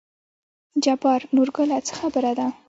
جبار: نورګله څه خبره ده.